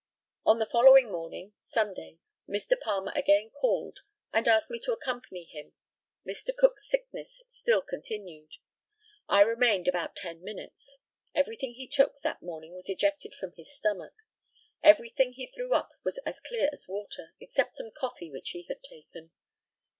On the following morning (Sunday) Mr. Palmer again called, and asked me to accompany him. Mr. Cook's sickness still continued. I remained about ten minutes. Everything he took that morning was ejected from his stomach. Everything he threw up was as clear as water, except some coffee which he had taken.